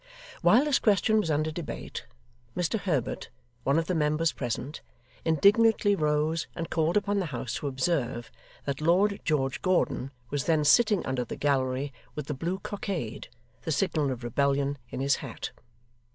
While this question was under debate, Mr Herbert, one of the members present, indignantly rose and called upon the House to observe that Lord George Gordon was then sitting under the gallery with the blue cockade, the signal of rebellion, in his hat.